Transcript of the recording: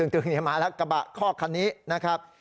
มาแล้วกระบะคอกคันนี้นะครับ